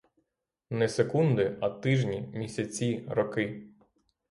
Не секунди, а тижні, місяці, роки.